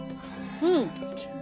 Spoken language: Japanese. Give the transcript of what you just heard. うん。